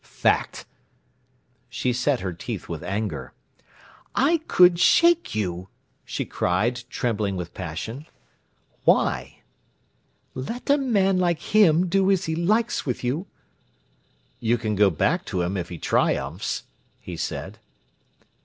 "Fact!" She set her teeth with anger. "I could shake you!" she cried, trembling with passion. "Why?" "Let a man like him do as he likes with you." "You can go back to him if he triumphs," he said.